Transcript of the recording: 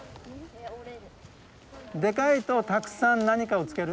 でかいとたくさん何かをつける？